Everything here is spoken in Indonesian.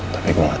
tapi gue gak tahu